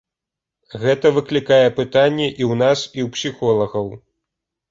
Гэта выклікае пытанне і ў нас, у псіхолагаў.